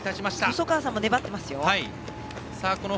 細川さんも粘っています。